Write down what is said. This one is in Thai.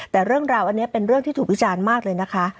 แต่เรื่องราวอันนี้เป็นเรื่องที่ถูกวิจารณ์มากเลยนะคะ